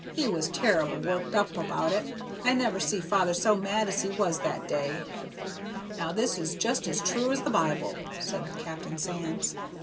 He was terrible worked up about it. I never see father so mad as he was that day. Now this is just as true as the Bible," said Captain Sands.